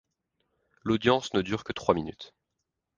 L’audience ne dure que trois minutes.